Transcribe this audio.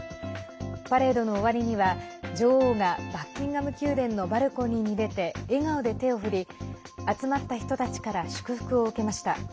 パレードの終わりには女王がバッキンガム宮殿のバルコニーに出て笑顔で手を振り集まった人たちから祝福を受けました。